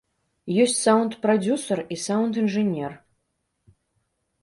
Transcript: Ёсць саўнд-прадзюсар і саўнд-інжынер.